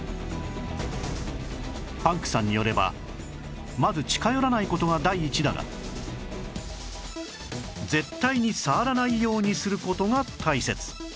パンクさんによればまず近寄らない事が第一だが絶対に触らないようにする事が大切